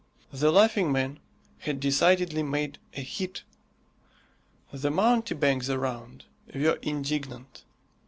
The Laughing Man had decidedly made a hit. The mountebanks around were indignant.